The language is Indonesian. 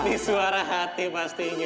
di suara hati pastinya